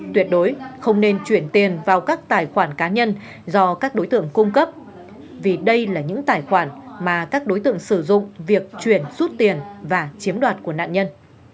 tuyệt đối không nên chuyển tiền vào các tài khoản cá nhân do các đối tượng cung cấp vì đây là những tài khoản mà các đối tượng sử dụng việc chuyển rút tiền và chiếm đoạt của nạn nhân